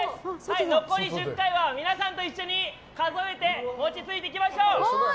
残り１０回は皆さんと一緒に数えて餅ついていきましょう！